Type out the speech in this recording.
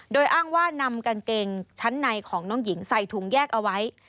โดยอ้างว่านำกางเกงชั้นในของน้องหญิงใส่ถุงแยกเอาไว้